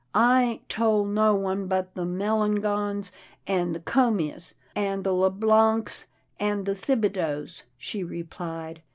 " I ain't tole no one but the Melangons, and the Comeaus, an' the LeBlancs, an' the Thibideaus," she replied.